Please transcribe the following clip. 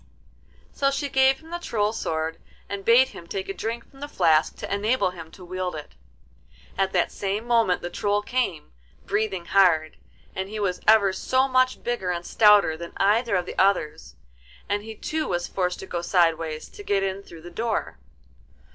So she gave him the Troll's sword, and bade him take a drink from the flask to enable him to wield it. At that same moment the Troll came, breathing hard, and he was ever so much bigger and stouter than either of the others, and he too was forced to go sideways to get in through the door.